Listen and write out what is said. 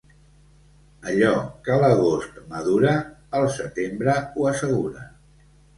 Allò que l'agost madura, el setembre ho assegura.